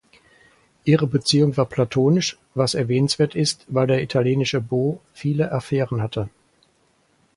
Ihre Beziehung war platonisch, was erwähnenswert ist, weil der italienische Beau viele Affären hatte.